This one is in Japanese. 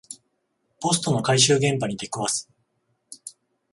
ポストの回収現場に出くわす